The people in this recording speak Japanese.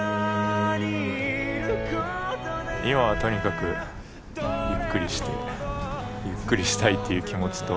今はとにかくゆっくりしてゆっくりしたいという気持ちと。